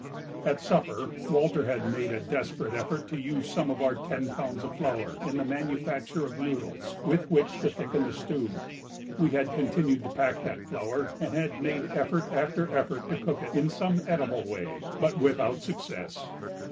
At supper Walter had made a desperate effort to use some of our ten pounds of flour in the manufacture of "noodles" with which to thicken the stew. We had continued to pack that flour and had made effort after effort to cook it in some eatable way, but without success.